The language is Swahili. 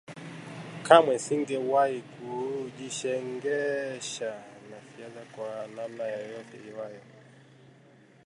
Kamwe singewahi kujishegesha na siasa kwa namna yoyote iwayo